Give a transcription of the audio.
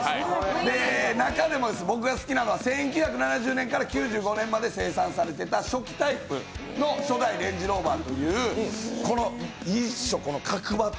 中でも僕が好きなのは１９７０年から９５年で生産されていた初期タイプ、初代レンジローバーというこのいいでしょ、角張った。